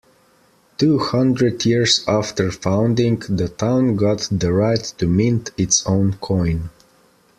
Two hundred years after founding, the town got the right to mint its own coin.